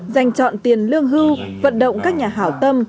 dành chọn tiền lương hưu vận động các nhà hảo tâm